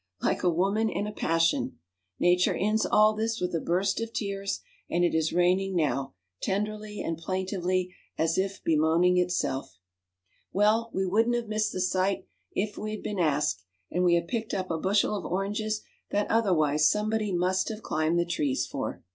Like a woman in a passion, Nature ends all this with a burst of tears; and it is raining now, tenderly and plaintively as if bemoaning itself. Well, we wouldn't have missed the sight if we had been asked; and we have picked up a bushel of oranges that otherwise somebody must have climbed the trees for.